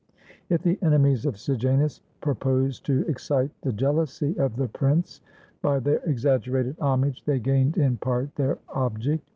If the enemies of Sejanus purposed to excite the jeal ousy of the prince by their exaggerated homage, they gained in part their object.